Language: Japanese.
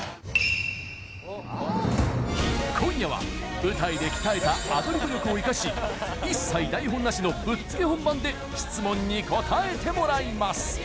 舞台で鍛えたアドリブ力を生かし一切台本なしのぶっつけ本番で質問に答えてもらいます！